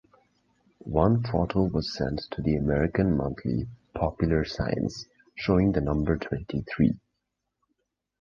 One photo was sent to the American monthly "Popular Science" showing the number twenty-three.